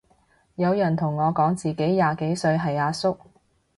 有人同我講自己廿幾歲係阿叔